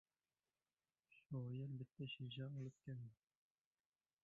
Shoir bitta shisha olib keldi.